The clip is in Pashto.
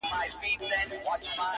خپل خو به خپل وي بېګانه به ستا وي!.